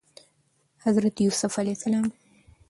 حضرت يوسف ع